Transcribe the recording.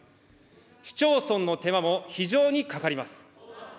市町村の手間も非常にかかります。